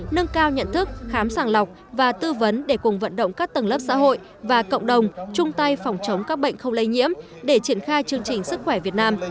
nâng cao nhận thức khám sàng lọc và tư vấn để cùng vận động các tầng lớp xã hội và cộng đồng chung tay phòng chống các bệnh không lây nhiễm để triển khai chương trình sức khỏe việt nam